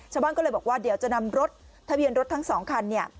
ชาวบ้านก็เลยบอกว่าเดี๋ยวจะนำรถทะเบียนรถทั้ง๒คัน